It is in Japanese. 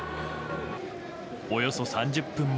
およそ３０分